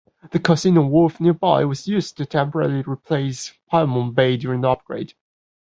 The Casino wharf nearby was used to temporarily replace Pyrmont Bay during the upgrade.